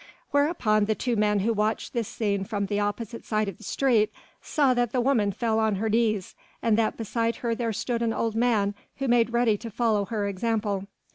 Whereupon the two men who watched this scene from the opposite side of the street saw that the woman fell on her knees, and that beside her there stood an old man who made ready to follow her example.